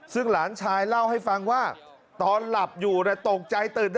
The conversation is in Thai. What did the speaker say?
ซึ่งหลานชายเล่าให้ฟังว่าตอนหลับอยู่ตกใจตื่น